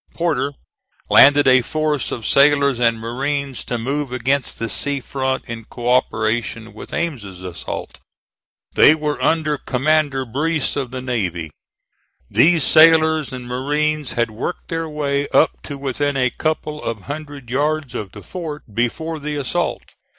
Porter landed a force of sailors and marines to move against the sea front in co operation with Ames's assault. They were under Commander Breese of the navy. These sailors and marines had worked their way up to within a couple of hundred yards of the fort before the assault.